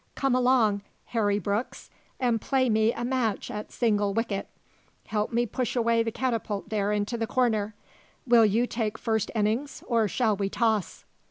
Come along, Harry Brooks, and play me a match at single wicket. Help me push away the catapult there into the corner. Will you take first innings, or shall we toss?"